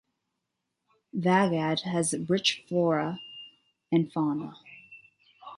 Vagad has rich flora and fauna.